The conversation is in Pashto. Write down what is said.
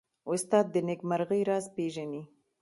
استاد د نېکمرغۍ راز پېژني.